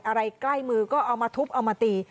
ใกล้มือก็เอามาทุบเอามาตี